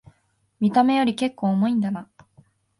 見た目よりけっこう重いんだな